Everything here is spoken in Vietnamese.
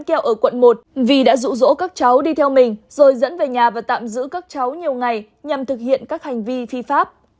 kẹo ở quận một vì đã rụ rỗ các cháu đi theo mình rồi dẫn về nhà và tạm giữ các cháu nhiều ngày nhằm thực hiện các hành vi phi pháp